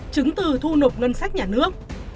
chứng từ thu nộp ngân sách nhà nước